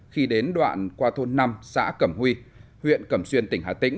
khi đến đoạn qua thôn năm xã cẩm huy huyện cẩm xuyên tỉnh hà tĩnh